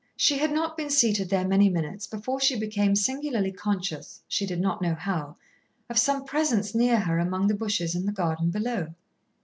She had not been seated there many minutes before she became singularly conscious, she did not know how, of some presence near her among the bushes in the garden below.